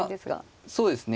いやそうですね